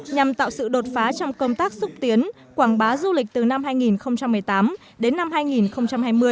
nhằm tạo sự đột phá trong công tác xúc tiến quảng bá du lịch từ năm hai nghìn một mươi tám đến năm hai nghìn hai mươi